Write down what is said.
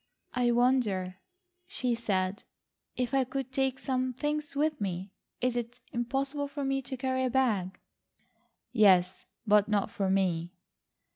"I wonder," she said, "if I could take some things with me. Is it impossible for me to carry a bag?" "Yes, but not for me."